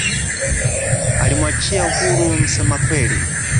Alimwachia huru Msemakweli